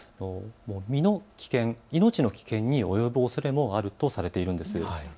身の危険、命の危険に及ぶおそれもあるとされています。